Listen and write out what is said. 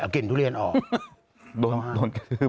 กลิ่นทุเรียนออก